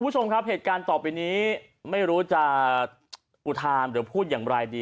คุณผู้ชมครับเหตุการณ์ต่อไปนี้ไม่รู้จะอุทานหรือพูดอย่างไรดี